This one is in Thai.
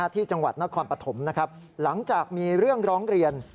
ที่จังหวัดนครปฐมนะครับหลังจากมีเรื่องร้องเรียน